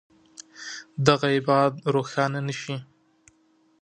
دغه ابعاد روښانه نه شي.